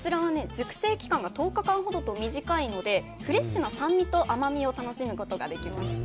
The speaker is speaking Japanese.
熟成期間が１０日間ほどと短いのでフレッシュな酸味と甘みを楽しむことができます。